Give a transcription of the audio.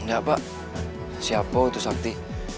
enggak pak siapa itu sakti